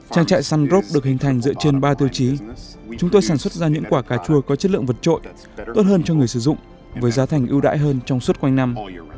trang trại sun grop được hình thành dựa trên ba tiêu chí chúng tôi sản xuất ra những quả cà chua có chất lượng vật trội tốt hơn cho người sử dụng với giá thành ưu đãi hơn trong suốt quanh năm